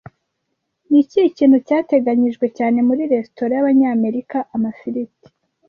Ni ikihe kintu cyateganijwe cyane muri resitora y'Abanyamerika Amafiriti